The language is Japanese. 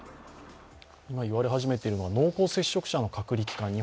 今言われ始めているのが濃厚接触者の隔離期間